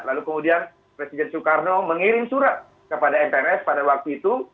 lalu kemudian presiden soekarno mengirim surat kepada mprs pada waktu itu